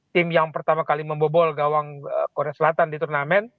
tim yang pertama kali membobol gawang korea selatan di turnamen